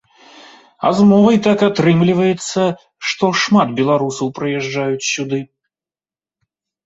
А з мовай так атрымліваецца, што шмат беларусаў прыязджаюць сюды.